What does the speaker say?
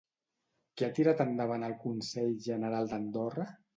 Què ha tirat endavant el Consell General d'Andorra?